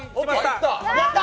やった！